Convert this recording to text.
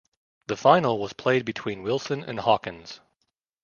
The final was played between Wilson and Hawkins.